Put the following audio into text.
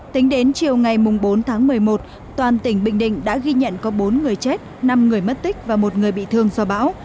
tính đến chiều ngày bốn tháng một mươi một toàn tỉnh bình định đã ghi nhận có bốn người chết năm người mất tích và một người bị thương do bão